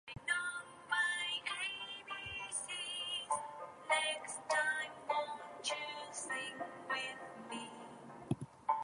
Different areas of the cortex respond to different elements such as colour and form.